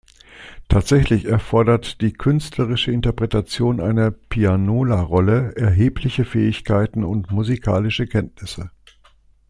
Tatsächlich erfordert die künstlerische Interpretation einer Pianola-Rolle erhebliche Fähigkeiten und musikalische Kenntnisse.